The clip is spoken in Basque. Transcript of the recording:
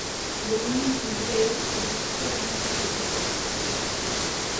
Burmuin-hodiei buruzko ikerketak egin zituen.